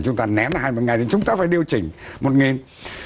chúng ta nén lại hai mươi ngày thì chúng ta phải điều chỉnh một nghìn